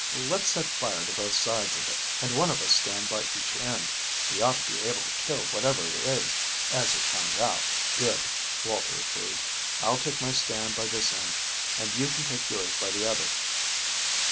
Let's set fire to both sides of it, and one of us stand by each end. We ought to be able to kill whatever it is as it comes out." "Good," Walter agreed. "I'll take my stand by this end, and you can take yours by the other."